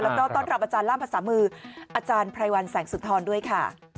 แล้วก็ต้อนรับอาจารย์ล่ามภาษามืออาจารย์ไพรวัลแสงสุธรด้วยค่ะ